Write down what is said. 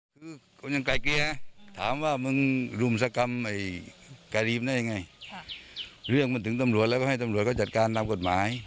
คือคนยังไกลเกลียถามว่ามึงรุมสกรรมการีมได้ยังไงเรื่องมันถึงตำรวจแล้วก็ให้ตำรวจก็จัดการตามกฎหมาย